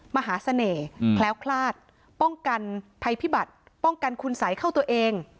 มหาเสน่ห์แคล้วคลาดป้องกันภัยพิบัติป้องกันคุณสัยเข้าตัวเอง